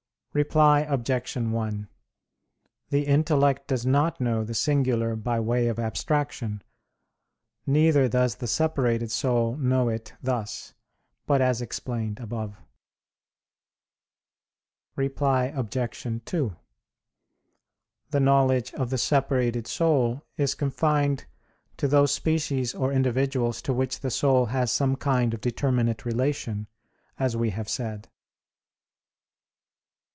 Reply Obj. 1: The intellect does not know the singular by way of abstraction; neither does the separated soul know it thus; but as explained above. Reply Obj. 2: The knowledge of the separated soul is confined to those species or individuals to which the soul has some kind of determinate relation, as we have said.